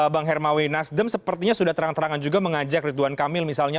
bang hermawi nasdem sepertinya sudah terang terangan juga mengajak ridwan kamil misalnya